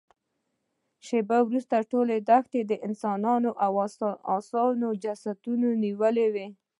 شېبه وروسته ټوله دښته د انسانانو او آسونو جسدونو نيولې وه.